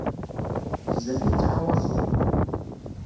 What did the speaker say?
Bezzaf i tettɛawazeḍ.